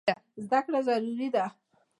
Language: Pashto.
زده کړه ضروري ده.